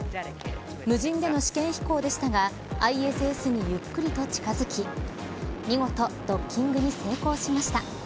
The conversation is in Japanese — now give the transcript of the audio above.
無人での試験飛行でしたがＩＳＳにゆっくりと近づき見事ドッキングに成功しました。